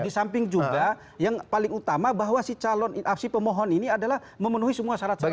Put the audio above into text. di samping juga yang paling utama bahwa si calon si pemohon ini adalah memenuhi semua syarat syarat